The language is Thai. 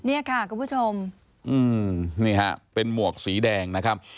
เนี่ยค่ะคุณผู้ชมนี่ฮะเป็นหมวกสีแดงนะครับ